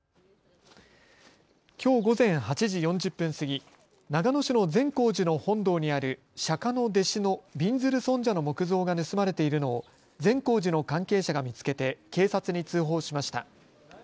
きょう午前８時４０分過ぎ長野市の善光寺の本堂にある釈迦の弟子のびんずる尊者の木像が盗まれているのを善光寺の関係者が見つけて警察に通報しました。